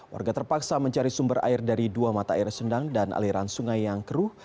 warga terpaksa mencari sumber air dari dua mata air sendang dan aliran sungai yang keruh